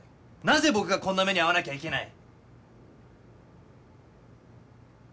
なぜ僕がこんな目に遭わなきゃいけない。